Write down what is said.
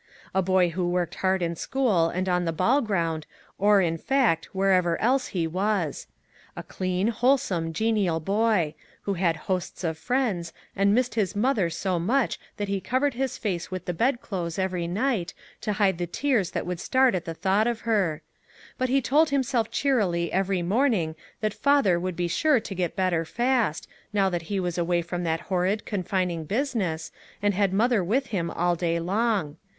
A boy who worked hard in school and on the ball ground or, in fact, wherever else he was. A clean, wholesome, genial boy; who had hosts of friends, and missed his mother so much that he covered his face with the bed clothes every night, to hide the tears that would 23 MAG AND MARGARET start at the thought of her ; but he told himself cheerily every morning that father would be sure to get better fast, now that he was away from that horrid, confining business, and had mother with him all day long.